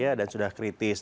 ya dan sudah kritis